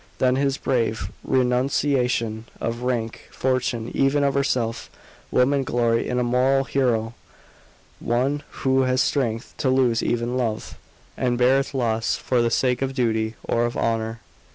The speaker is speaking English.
Then his brave renunciation of rank, fortune, even of herself women glory in a moral hero one who has strength to lose even love, and bear its loss, for the sake of duty or of honour.